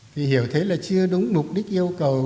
thì hiểu thấy là chưa đúng mục đích yêu cầu